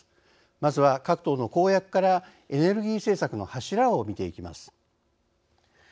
まずは各党の公約からエネルギー政策の柱を見ていきます。